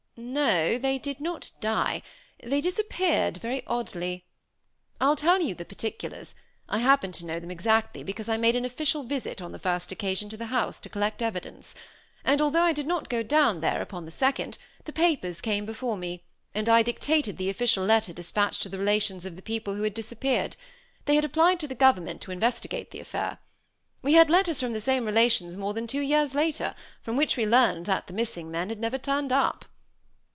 "No, they did not die they disappeared very oddly. I'll tell you the particulars I happen to know them exactly, because I made an official visit, on the first occasion, to the house, to collect evidence; and although I did not go down there, upon the second, the papers came before me, and I dictated the official letter dispatched to the relations of the people who had disappeared; they had applied to the government to investigate the affair. We had letters from the same relations more than two years later, from which we learned that the missing men had never turned up."